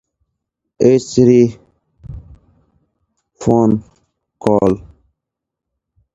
These works were all critically acclaimed in the music industry.